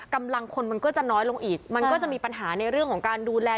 กำลังคนมันก็จะน้อยลงอีกมันก็จะมีปัญหาในเรื่องของการดูแล